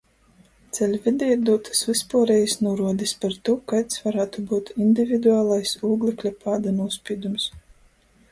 Ceļvedī ir dūtys vyspuorejis nūruodis par tū, kaids varātu byut individualais ūglekļa pāda nūspīdums.